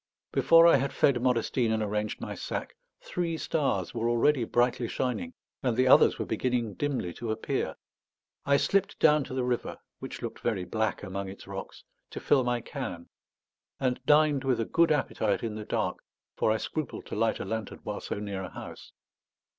Before I had fed Modestine and arranged my sack, three stars were already brightly shining, and the others were beginning dimly to appear. I slipped down to the river, which looked very black among its rocks, to fill my can; and dined with a good appetite in the dark, for I scrupled to light a lantern while so near a house.